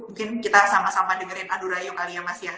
mungkin kita sama sama dengerin adu rayu kali ya mas ya